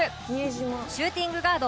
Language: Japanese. シューティングガード